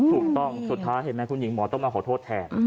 ถูกต้องสุดท้ายเห็นไหมคุณหญิงหมอต้องมาขอโทษแทน